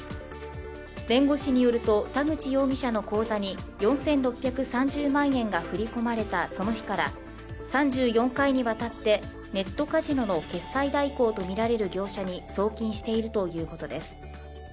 弁護士によると、田口容疑者の口座に４６３０万円が振り込まれたその日から３４回にわたってネットカジノの決済代行とみられる業者に送金しているということです。